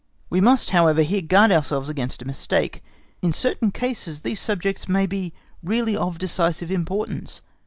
We must, however, here guard ourselves against a mistake. In certain cases these subjects may be really of decisive importance.